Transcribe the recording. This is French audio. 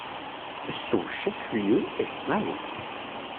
Son chef-lieu est Mao.